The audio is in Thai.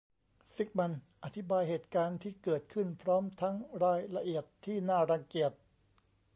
ซิกมันด์อธิบายเหตุการณ์ที่เกิดขึ้นพร้อมทั้งรายละเอียดที่น่ารังเกียจ